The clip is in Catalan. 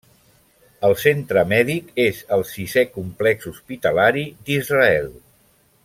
El centre mèdic és el sisè complex hospitalari d'Israel.